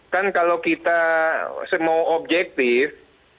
kan kalau kita semua objektif